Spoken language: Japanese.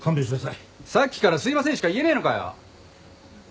さっきから「すいません」しか言えねえのかよ。